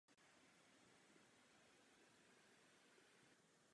Stroj si nechal také patentovat.